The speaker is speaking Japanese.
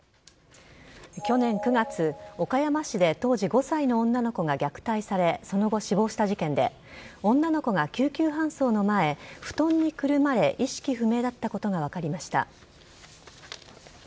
去年９月、岡山市で当時５歳の女の子が虐待されその後、死亡した事件で女の子が救急搬送の前布団にくるまれ意識不明だったことが分かりました。